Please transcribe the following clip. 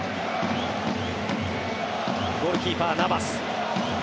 ゴールキーパー、ナバス。